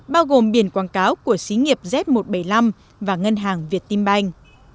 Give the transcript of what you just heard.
bao gồm biển quảng cáo của xí nghiệp z một trăm bảy mươi năm và ngân hàng việt tim banh